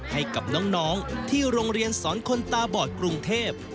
ให้กับน้องที่โรงเรียนสอนคนตาบอดกรุงเทพ